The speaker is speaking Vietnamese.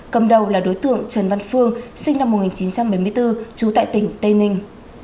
cầm đầu là đối tượng trần văn phương sinh năm một nghìn chín trăm bảy mươi bốn trú tại tỉnh tây ninh